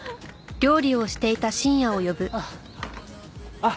あっ。